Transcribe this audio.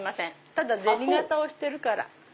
ただ銭形をしてるから。